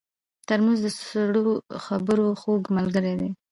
ترموز د سړو خبرو خوږ ملګری دی.